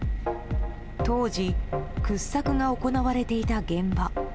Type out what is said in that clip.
当時、掘削が行われていた現場。